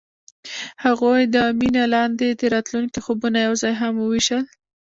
هغوی د مینه لاندې د راتلونکي خوبونه یوځای هم وویشل.